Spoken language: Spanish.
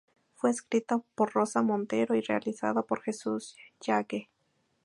Fue escrita por Rosa Montero y realizada por Jesús Yagüe.